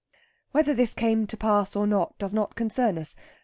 Whether this came to pass or not does not concern us.